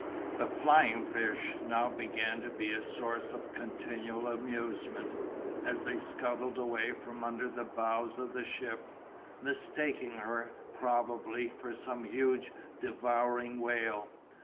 The flying fish now began to be a source of continual amusement, as they scuttled away from under the bows of the ship, mistaking her, probably, for some huge devouring whale.